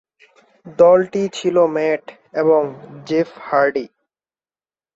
দলটি ছিল ম্যাট এবং জেফ হার্ডি।